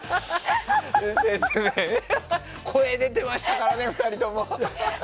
声出てましたからね、２人とも。